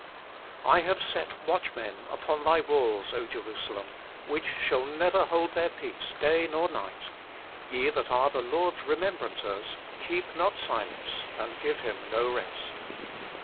"I have set watchmen upon thy walls, Jerusalem, which shall never hold their peace day nor night: ye that are the Lord s remembrancers, keep not silence, and give Him no rest."